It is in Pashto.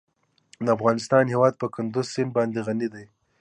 د افغانستان هیواد په کندز سیند باندې غني دی.